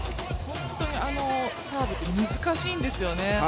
本当にあのサーブって難しいんですよね。